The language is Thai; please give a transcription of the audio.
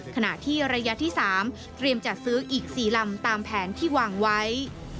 ขณะที่ระยะที่๓เตรียมจัดซื้ออีก๔ลำตามแผนที่วางไว้